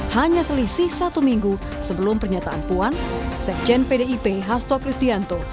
hanya selisih satu minggu sebelum pernyataan puan sekjen pdip hasto kristianto